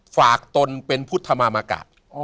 ตนเป็นพุทธมามกะ